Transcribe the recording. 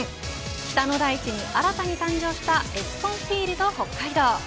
北の大地に新たに誕生したエスコンフィールド北海道。